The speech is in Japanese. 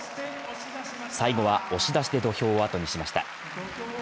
最後は押し出しで土俵を後にしました。